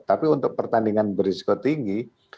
tapi untuk pertandingan berisiko tinggi